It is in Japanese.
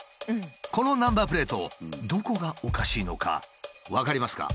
このナンバープレートどこがおかしいのか分かりますか？